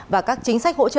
và các chính sách hỗ trợ